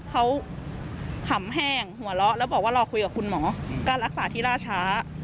เขาขำแห้งหัวเราะแล้วบอกว่ารอคุยกับคุณหมอการรักษาที่ล่าช้า